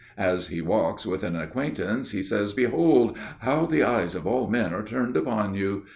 "As he walks with an acquaintance, he says: 'Behold! How the eyes of all men are turned upon you!